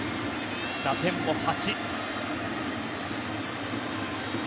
打点も８。